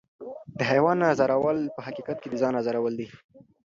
د حیوان ازارول په حقیقت کې د ځان ازارول دي.